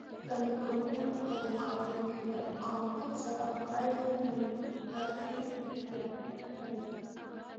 د مکروبونو په مقابل کې د مقاومت سبب غیرمنطقي استعمال دی.